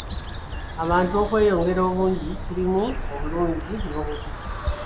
Abantu okweyongera obungi kirimu obulungi n'obubi.